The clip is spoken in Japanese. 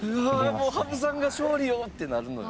もう羽生さんが勝利よ！ってなるのよ」